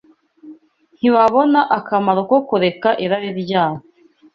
ntibabona akamaro ko kureka irari ryabo.